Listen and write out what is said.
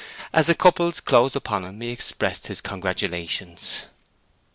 As the couples closed upon him he expressed his congratulations.